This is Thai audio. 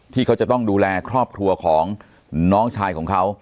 ที่เขาจะต้องดูแลครอบครัวของน้องชายของเขา